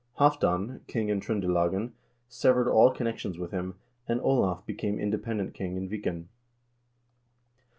Halvdan, king in Tr0ndelagen, severed all connections with him, and Olav became independent king in Viken.